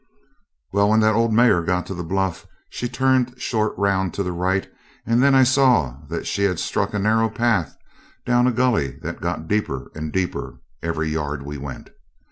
Well, when the old mare got to the bluff she turned short round to the right, and then I saw that she had struck a narrow path down a gully that got deeper and deeper every yard we went.